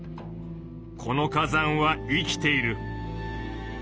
この火山は生きている。